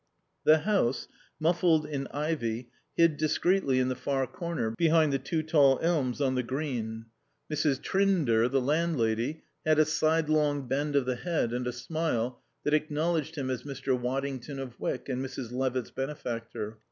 The house, muffled in ivy, hid discreetly in the far corner, behind the two tall elms on the Green. Mrs. Trinder, the landlady, had a sidelong bend of the head and a smile that acknowledged him as Mr. Waddington of Wyck and Mrs. Levitt's benefactor.